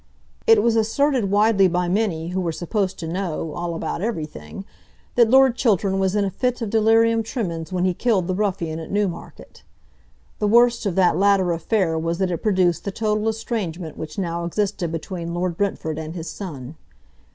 It was asserted widely by many who were supposed to know all about everything that Lord Chiltern was in a fit of delirium tremens when he killed the ruffian at Newmarket. The worst of that latter affair was that it produced the total estrangement which now existed between Lord Brentford and his son.